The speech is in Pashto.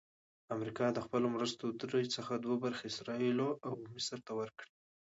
امریکا د خپلو مرستو درې څخه دوه برخې اسراییلو او مصر ته ورکوي.